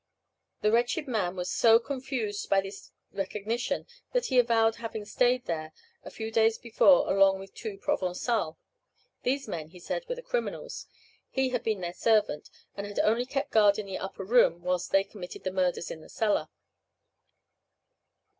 The wretched man was so confounded by this recognition, that he avowed having staid there, a few days before, along with two Provençals. These men, he said, were the criminals; he had been their servant, and had only kept guard in the upper room whilst they committed the murders in the cellar.